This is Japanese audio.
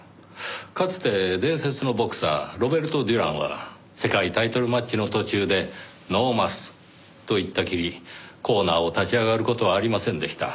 かつて伝説のボクサーロベルト・デュランは世界タイトルマッチの途中で「ノーマス」と言ったきりコーナーを立ち上がる事はありませんでした。